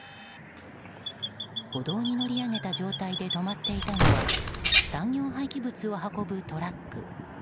歩道に乗り上げた状態で止まっていたのは産業廃棄物を運ぶトラック。